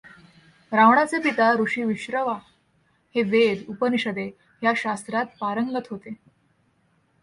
रावणाचे पिता ऋषी विश्रवा हे वेद, उपनिषदे ह्या शास्त्रांत पारंगत होते.